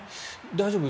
大丈夫？